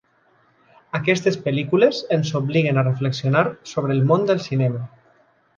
Aquestes pel·lícules ens obliguen a reflexionar sobre el món del cinema.